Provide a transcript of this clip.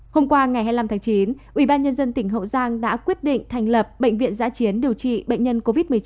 hôm qua ngày hai mươi năm tháng chín ubnd tỉnh hậu giang đã quyết định thành lập bệnh viện giã chiến điều trị bệnh nhân covid một mươi chín